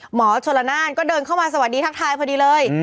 หมอชนละนานก็เดินเข้ามาสวัสดีทักทายพอดีเลย